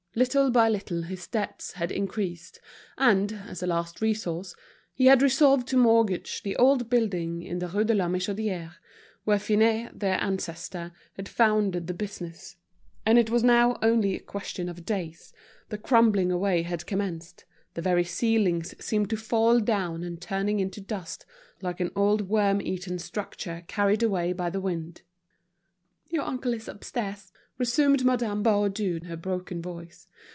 Little by little his debts had increased, and, as a last resource, he had resolved to mortgage the old building in the Rue de la Michodière, where Finet, their ancestor, had founded the business; and it was now only a question of days, the crumbling away had commenced, the very ceilings seemed to be falling down and turning into dust, like an old worm eaten structure carried away by the wind. "Your uncle is upstairs," resumed Madame Baudu in her broken voice.